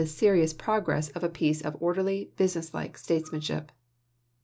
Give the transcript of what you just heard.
serious progress of a piece of orderly, business like statesmanship.